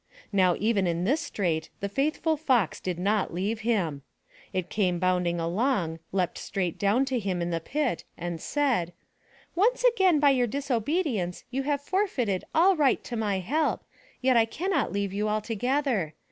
Now even in this strait the faithful Fox did not leave him. It came 300 THROUGH FAIRY HALLS bounding along, leapt straight down to him in the pit, and said: Once again by your disobedience you have forfeited all right to my help, yet I cannot leave you altogether.